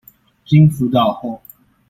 經輔導後